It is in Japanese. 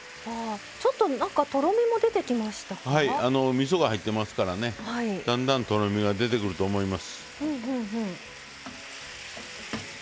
みそが入ってますからねだんだんとろみが出てくると思います。